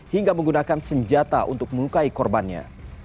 hingga menggunakan senjata untuk melukai korbannya